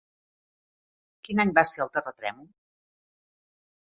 Quin any va ser el terratrèmol?